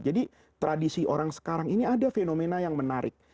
jadi tradisi orang sekarang ini ada fenomena yang menarik